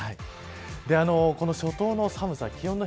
この初冬の寒さ。